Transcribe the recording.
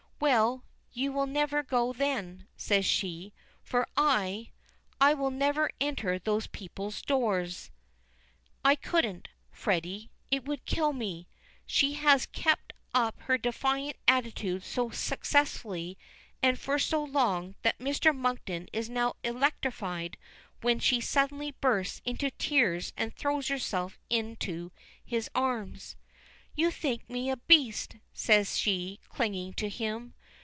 "Well, you will never go then," says she, "for I I will never enter those people's doors. I couldn't, Freddy. It would kill me!" She has kept up her defiant attitude so successfully and for so long that Mr. Monkton is now electrified when she suddenly bursts into tears and throws herself into his arms. "You think me a beast!" says she, clinging to him.